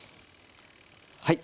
はい。